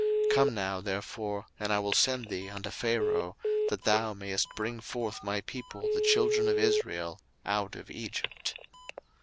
02:003:010 Come now therefore, and I will send thee unto Pharaoh, that thou mayest bring forth my people the children of Israel out of Egypt.